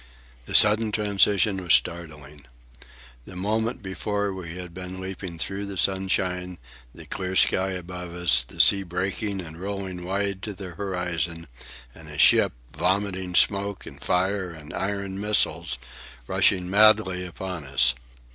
The sudden transition was startling. The moment before we had been leaping through the sunshine, the clear sky above us, the sea breaking and rolling wide to the horizon, and a ship, vomiting smoke and fire and iron missiles, rushing madly upon us.